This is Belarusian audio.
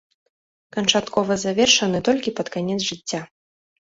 Канчаткова завершаны толькі пад канец жыцця.